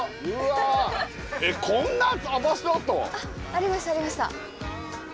ありましたありました。